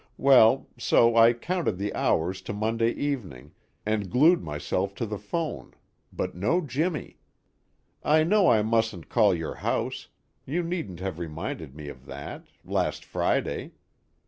well, so I counted the hours to Monday evening, and glued myself to the phone, but no Jimmy. I know I mustn't call your house you needn't have reminded me of that, last Friday!